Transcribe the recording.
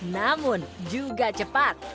namun juga cepat